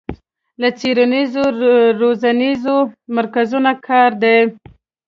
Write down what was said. له څېړنیزو روزنیزو مرکزونو کار دی